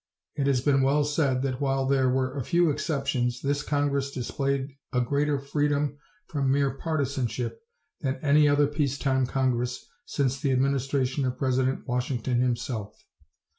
It has been well said that while there were a few exceptions, this Congress displayed a greater freedom from mere partisanship than any other peace time Congress since the administration of President Washington himself.